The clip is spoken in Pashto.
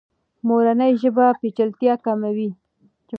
مورنۍ ژبه پیچلتیا کموي.